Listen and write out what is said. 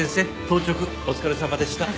当直お疲れさまでした。